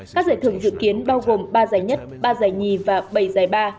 các giải thưởng dự kiến bao gồm ba giải nhất ba giải nhì và bảy giải ba